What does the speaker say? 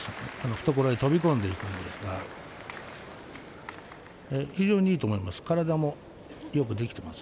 懐に飛び込んでいくんですが非常にいいと思います。